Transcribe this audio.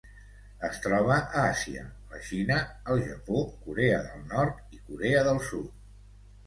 Es troba a Àsia: la Xina, el Japó, Corea del Nord i Corea del Sud.